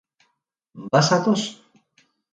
Bazatoz?